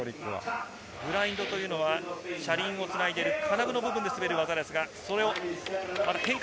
グラインドは車輪をつないでいる、金具の部分で滑る技です。